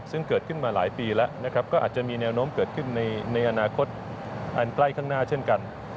ซึ่งเกิดขึ้นมาหลายปีแล้วก็อาจจะมีแนวโน้มเกิดขึ้นในอนาคตอันใกล้ข้างหน้าเช่นกัน